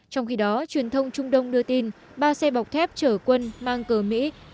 trong khi đó truyền thông trung đông đưa tin ba xe bọc thép chở quân mang cờ mỹ